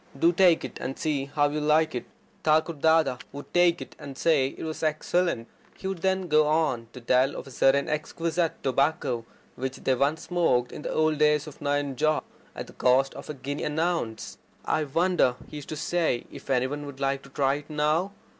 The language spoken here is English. Do take it, and see how you like it." Thakur Dada would take it, and say it was excellent. He would then go on to tell of a certain exquisite tobacco which they once smoked in the old days at Nayanjore at the cost of a guinea an ounce. "I wonder," he used to say, "I wonder if any one would like to try it now.